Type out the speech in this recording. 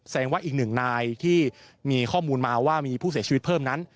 ว่าอีกหนึ่งนายที่มีข้อมูลมาว่ามีผู้เสียชีวิตเพิ่มนั้น